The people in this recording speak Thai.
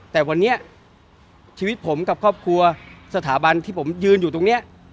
แต่วันนี้ชีวิตผมกับครอบครัวสถาบันที่ผมยืนอยู่ตรงนี้